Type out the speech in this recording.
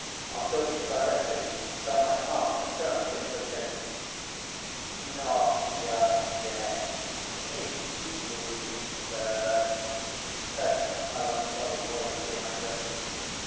I'll go in directly, and tell my aunt the turn things have taken." "Not just yet, if you please, sir," said a melancholy voice behind us.